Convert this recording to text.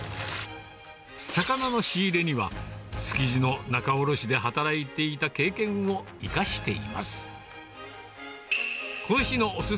魚の仕入れには、築地の仲卸で働いていた経験を生かしています。